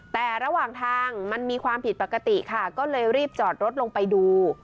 แต่ระหว่างทางมันมีความผิดปกติค่ะก็เลยรีบจอดรถลงไปดู